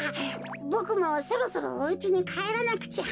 ボクもそろそろおうちにかえらなくちゃ。